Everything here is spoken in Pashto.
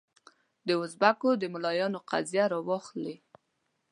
دوزبکو د ملایانو قضیه راواخلې.